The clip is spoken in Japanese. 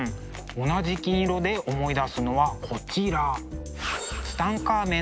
同じ金色で思い出すのはこちら。